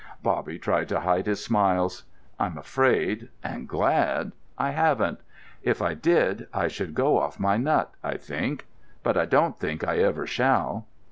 Bobby tried to hide his smiles. "I'm afraid—and glad—I haven't. If I did, I should go off my nut, I think. But I don't think I ever shall!"